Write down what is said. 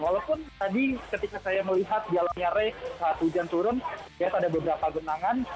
walaupun tadi ketika saya melihat jalannya ray saat hujan turun biasanya ada beberapa genangan